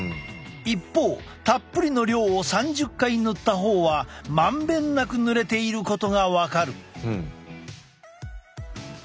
一方たっぷりの量を３０回塗った方は満遍なく塗れていることが分かる。